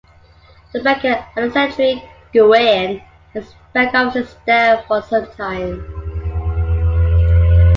The banker Alexandre Goüin has his bank offices there for some times.